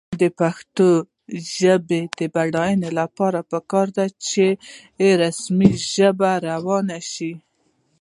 د پښتو ژبې د بډاینې لپاره پکار ده چې رسمي ژبه روانه شي.